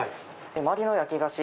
周りの焼き菓子